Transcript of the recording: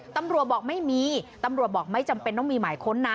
ตำรวจบอกไม่มีตำรวจบอกไม่จำเป็นต้องมีหมายค้นนะ